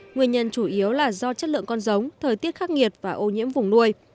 nguyên nhân chủ yếu là do chất lượng con giống thời tiết khắc nghiệt và ô nhiễm vùng nuôi